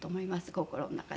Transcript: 心の中で。